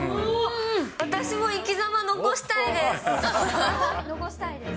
私も生きざま残したいです。